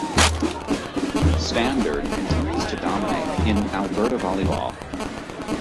Standard continues to dominate in Alberta Volleyball.